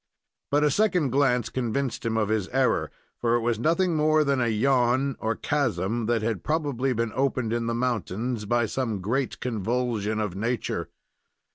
But a second glance convinced him of his error, for it was nothing more than a yawn, or chasm, that had probably been opened in the mountains by some great convulsion of nature.